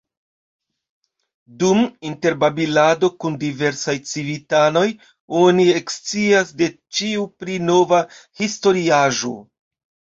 Dum interbabilado kun diversaj civitanoj, oni ekscias de ĉiu pri nova historiaĵo.